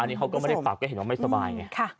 อันนี้เขาก็ไม่ได้ฝักก็เห็นว่าไม่สบายไง